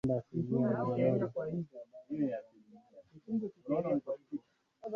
kuhofia shambulio lolote linaloweza kufanywa na wapiganaji wa taliban